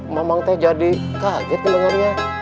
memang teh jadi kaget sebenarnya